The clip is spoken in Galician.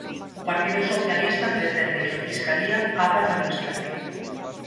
O partido socialista pretende que a fiscalía abra unha investigación.